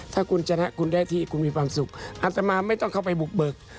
ถ้ากูจะหนะกูได้ที่กูมีความสุขอันตรามารไม่ต้องเข้าไปบุกเบิก